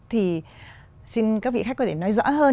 thì xin các vị khách có thể nói rõ hơn